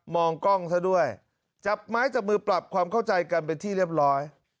องกล้องซะด้วยจับไม้จับมือปรับความเข้าใจกันเป็นที่เรียบร้อย